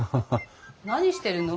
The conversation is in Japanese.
何してるの？